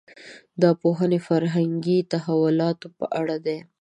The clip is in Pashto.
دا پوهنې فرهنګي تحولاتو په اړه دي.